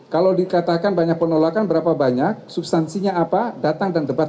kalau dikatakan banyak penolakan berapa banyak substansinya apa datang dan debat